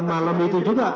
malam itu juga